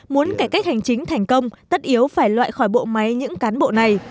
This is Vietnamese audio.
muốn cải cách hành chính thành công tất yếu phải loại khỏi bộ máy những cán bộ này